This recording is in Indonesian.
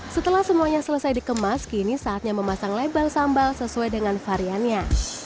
setelah semuanya selesai dikemas kini saatnya memasang label sambal sesuai dengan variannya